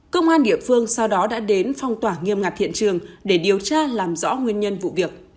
công an địa phương sau đó đã đến phong tỏa nghiêm ngặt hiện trường để điều tra làm rõ nguyên nhân vụ việc